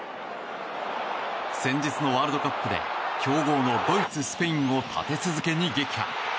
先日のワールドカップで強豪のドイツ、スペインを立て続けに撃破。